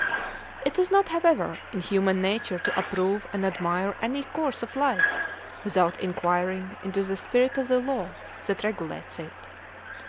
It is not, however, in human nature to approve and admire any course of life without inquiring into the spirit of the law that regulates it.